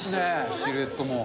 シルエットも。